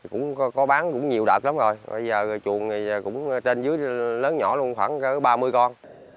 cũng có bán cũng nhiều đợt lắm rồi bây giờ chuồng thì cũng trên dưới lớn nhỏ luôn khoảng ba mươi con